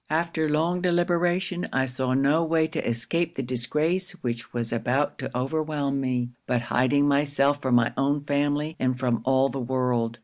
After long deliberation, I saw no way to escape the disgrace which was about to overwhelm me, but hiding myself from my own family and from all the world.